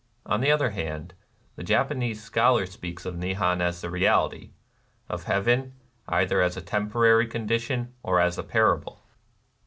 On the other hand, the Japanese scholar speaks of Nehan as the reality, — of heaven, either as a temporary condition or as a parable.